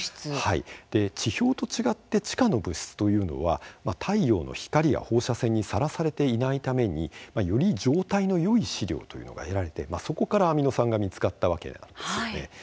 地表と違って地下の物質というのは太陽の光や放射線にさらされていないためにより状態のよい試料というのが得られて、そこからアミノ酸が見つかったわけなんです。